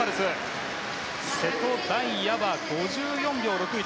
瀬戸大也は５４秒６１。